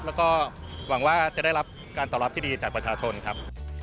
แล้วก็หวังว่าจะได้รับการตอบรับที่ดีจากประชาชนครับ